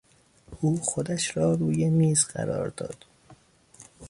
او خودش را روی میز قرار داد.